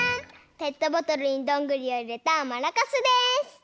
ペットボトルにどんぐりをいれたマラカスです！